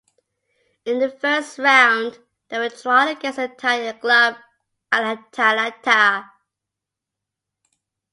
In the first round, they were drawn against the Italian club Atalanta.